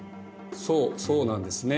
そうそうなんですね。